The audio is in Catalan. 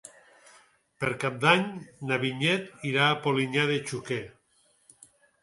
Per Cap d'Any na Vinyet irà a Polinyà de Xúquer.